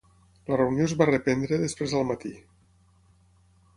La reunió es va reprendre després al matí.